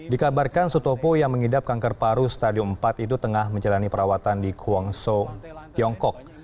dikabarkan sutopo yang mengidap kanker paru stadium empat itu tengah menjalani perawatan di kuongho tiongkok